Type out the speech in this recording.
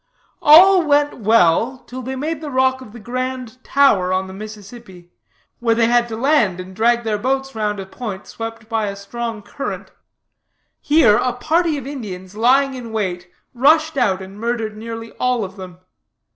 All went well till they made the rock of the Grand Tower on the Mississippi, where they had to land and drag their boats round a point swept by a strong current. Here a party of Indians, lying in wait, rushed out and murdered nearly all of them.